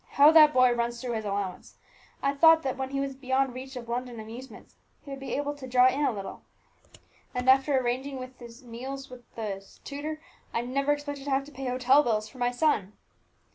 How that boy runs through his allowance! I thought that when he was beyond reach of London amusements, he would be able to draw in a little; and, after arranging for his meals with his tutor, I never expected to have to pay hotel bills for my son."